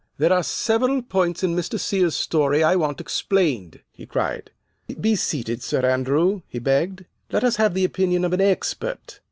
"There are several points in Mr. Sears's story I want explained," he cried. "Be seated, Sir Andrew," he begged. "Let us have the opinion of an expert.